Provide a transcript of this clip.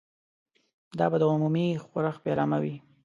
دا به د عمومي ښورښ پیلامه وي.